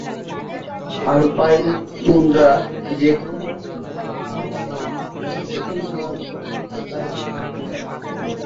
Alpine tundra যে কোনও অক্ষাংশে যথেষ্ট পরিমাণ উচ্চতায় ঘটতে পারে।